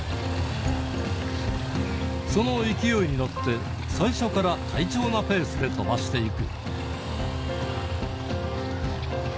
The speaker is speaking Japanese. その勢いに乗って、最初から快調なペースで飛ばしていく。